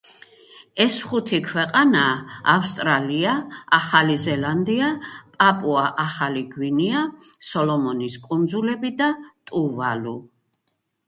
ეს ხუთი ქვეყანაა: ავსტრალია, ახალი ზელანდია, პაპუა-ახალი გვინეა, სოლომონის კუნძულები და ტუვალუ.